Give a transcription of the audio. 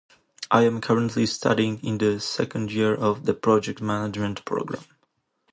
I am currently studying in the second year of the Project Management program.